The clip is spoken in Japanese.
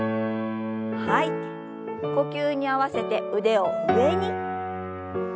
呼吸に合わせて腕を上に。